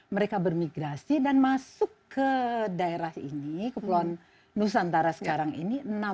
mereka bermigrasi dan masuk ke daerah ini kepulauan nusantara sekarang ini